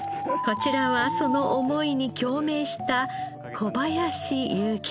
こちらはその思いに共鳴した小林勇希さん。